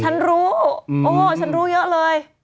ฉันรู้โอ้ฉันรู้เยอะเลย